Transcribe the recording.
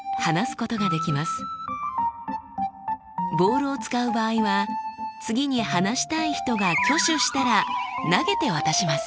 ボールを使う場合は次に話したい人が挙手したら投げて渡します。